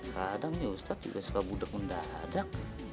kadang nih ustadz juga suka budeg mendadak